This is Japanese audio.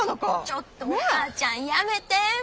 ちょっとお母ちゃんやめて！